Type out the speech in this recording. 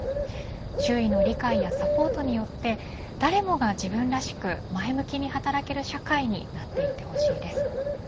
周囲の理解やサポートによって誰もが自分らしく前向きに働ける社会になっていってほしいです。